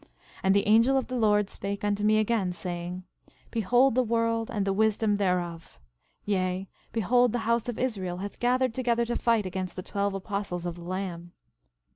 And the angel of the Lord spake unto me again, saying: Behold the world and the wisdom thereof; yea, behold the house of Israel hath gathered together to fight against the twelve apostles of the Lamb.